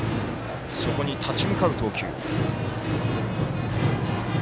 そこに立ち向かう投球。